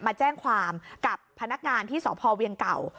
มาแจ้งความกับพนักงานที่สพเวียงเก่า